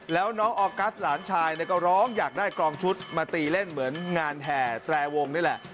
แล้วน้องออกัสหลานชายก็ร้องอยากได้กรองชุดมาตีเล่นเหมือนงานแห่แตรวงนี่แหละ